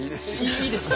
いいですか？